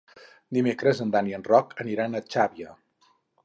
Dimecres en Dan i en Roc aniran a Xàbia.